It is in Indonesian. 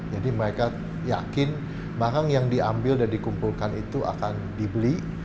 jadi mereka yakin barang yang diambil dan dikumpulkan itu akan dibeli